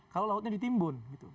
kalau lautnya ditimbun